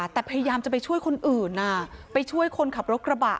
แต่พยายามจะไปช่วยคนอื่นไปช่วยคนขับรถกระบะ